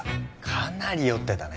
かなり酔ってたね